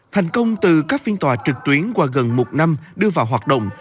thành công từ các phiên tòa trực tuyến qua gần một năm đưa vào hoạt động